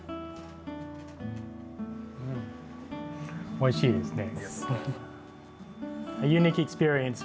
おいしいですね。